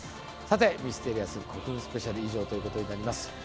さて「ミステリアス古墳スペシャル」以上ということになります。